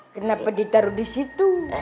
kenapa ditaruh disitu